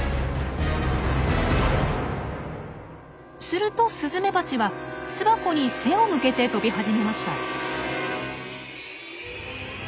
するとスズメバチは巣箱に背を向けて飛び始めました。